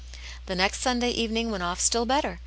*^ The next Sunday evening went off still better.